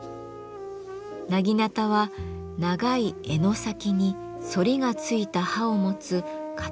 薙刀は長い柄の先に反りがついた刃をもつ刀の一種。